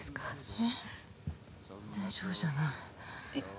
えっ大丈夫じゃないえっ